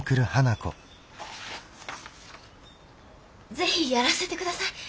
是非やらせて下さい！